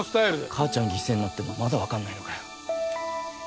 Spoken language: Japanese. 母ちゃん犠牲になってもまだ分かんないのかよ